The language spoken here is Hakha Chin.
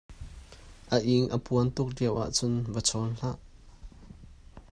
A ing a puan tuk lioah cun va chawn hlah.